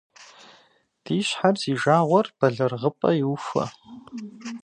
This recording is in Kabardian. Ди щхьэр зи жагъуэр бэлырыгъыпӏэ иухуэ.